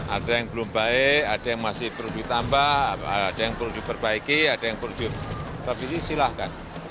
ada yang belum baik ada yang masih perlu ditambah ada yang perlu diperbaiki ada yang perlu direvisi silahkan